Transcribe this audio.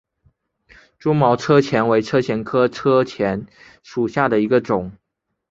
蛛毛车前为车前科车前属下的一个种。